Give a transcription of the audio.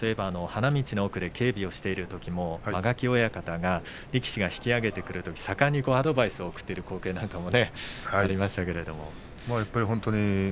花道の奥で警備をしているときも間垣親方が力士が引き揚げてくるときに盛んにアドバイスを送っている本当にね